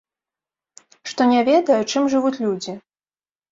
Што не ведае, чым жывуць людзі.